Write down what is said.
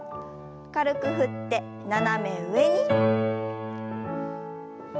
軽く振って斜め上に。